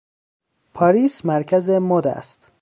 پاریس مرکز مد است.